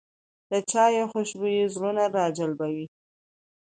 د چای خوشبويي زړونه راجلبوي